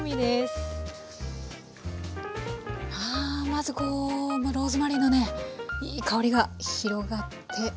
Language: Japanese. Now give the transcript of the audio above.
まずこうローズマリーのねいい香りが広がって。